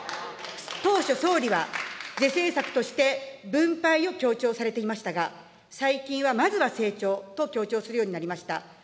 当初、総理は、是正策として、分配を強調されていましたが、最近はまずは成長と強調するようになりました。